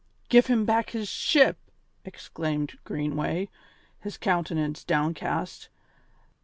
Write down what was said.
"Give him back his ship!" exclaimed Greenway, his countenance downcast.